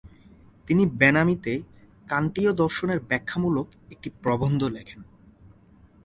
তিনি বেনামীতে কান্টীয় দর্শনের ব্যাখ্যামূলক একটি প্রবন্ধ লেখেন।